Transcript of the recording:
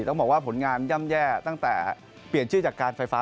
ต้องบอกว่าผลงานย่ำแย่ตั้งแต่เปลี่ยนชื่อจากการไฟฟ้า